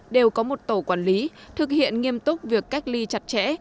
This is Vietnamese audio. đều có một tổ quản lý thực hiện nghiêm túc việc cách ly chặt chẽ